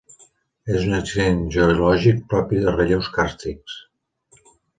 És un accident geològic propi de relleus càrstics.